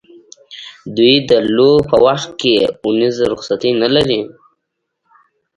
دوی د لو په وخت کې اونیزه رخصتي نه لري.